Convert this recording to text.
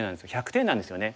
１００点なんですよね。